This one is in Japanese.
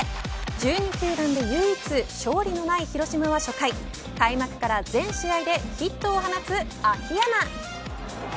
１２球団で唯一勝利のない広島は、初回開幕から全試合でヒットを放つ秋山。